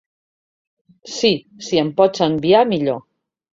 Si, si em pots enviar millor.